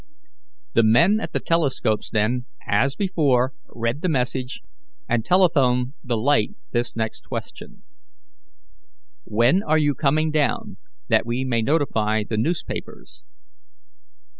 The men at the telescopes then, as before, read the message, and telephoned the light this next question: "When are you coming down, that we may notify the newspapers?"